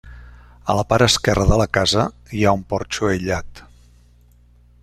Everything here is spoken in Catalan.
A la part esquerra de la casa hi ha un porxo aïllat.